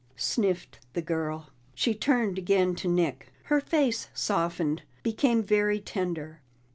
sniffed the girl. She turned again to Nick; her face softened, became very tender.